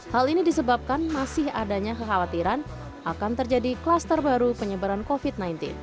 hal ini disebabkan masih adanya kekhawatiran akan terjadi kluster baru penyebaran covid sembilan belas